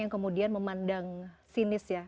yang kemudian memandang sinis ya